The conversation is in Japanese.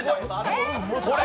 これ。